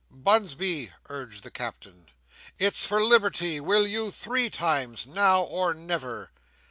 "Bunsby!" urged the Captain, "it's for liberty; will you three times? Now or never!"